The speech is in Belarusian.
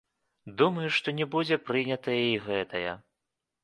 Думаю, што не будзе прынятая і гэтая.